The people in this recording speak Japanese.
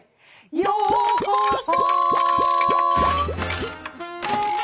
「ようこそ」